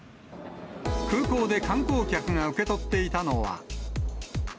空港で観光客が受け取っていたのは。